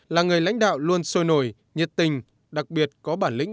là người lãnh đạo luôn sôi nổi nhiệt tình đặc biệt có bản lĩnh